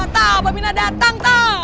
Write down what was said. tau babi datang tau